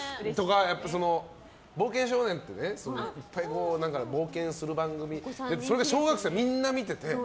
「冒険少年」っていう冒険する番組でそれ小学生はみんな見てて。